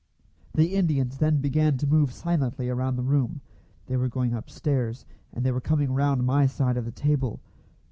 The Indians then began to move silently around the room; they were going upstairs, and they were coming round my side of the table.